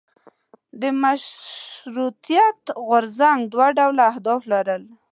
د مشروطیت غورځنګ دوه ډوله اهداف لرل.